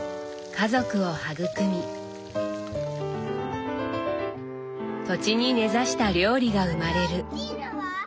家族を育み土地に根ざした料理が生まれる。